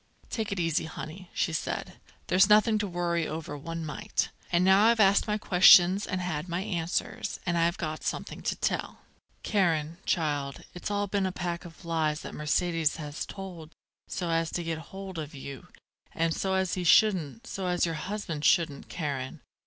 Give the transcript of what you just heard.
"Take it easy, honey," she said. "There's nothing to worry over one mite. And now I've asked my questions and had my answers, and I've got something to tell. Karen, child, it's all been a pack of lies that Mercedes has told so as to get hold of you, and so as he shouldn't so as your husband shouldn't, Karen.